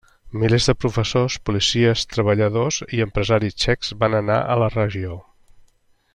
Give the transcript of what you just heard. Milers de professors, policies, treballadors i empresaris txecs van anar a la regió.